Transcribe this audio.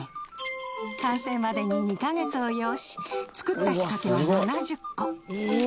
完成までに２カ月を要し作った仕掛けは７０個。